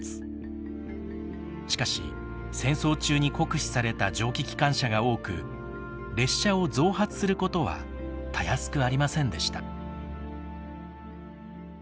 しかし戦争中に酷使された蒸気機関車が多く列車を増発することはたやすくありませんでした。